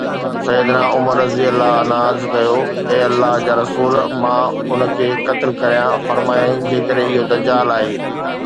سَيِّدُنا عمر رضي الله عنه عرض ڪيو: اي الله جا رسول، مان ان کي قتل ڪريان، فرمايائين: جيڪڏهن اهو دجال آهي.